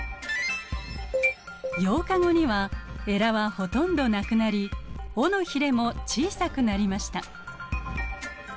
８日後にはエラはほとんどなくなり尾のひれも小さくなりました。